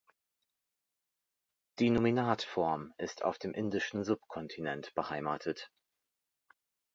Die Nominatform ist auf dem indischen Subkontinent beheimatet.